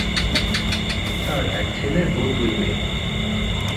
তাঁর এক ছেলে ও দুই মেয়ে।